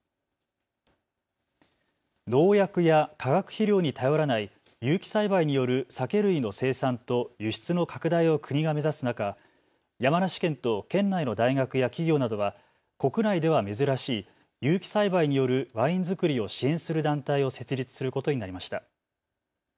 農薬や化学肥料に頼らない有機栽培による酒類の生産と輸出の拡大を国が目指す中、山梨県と県内の大学や企業などは国内では珍しい有機栽培によるワイン造りを支援する団体を設立することになりました。